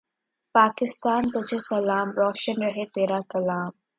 پاکستان تجھے سلام۔ روشن رہے تیرا کلام